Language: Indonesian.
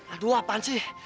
aduh apaan sih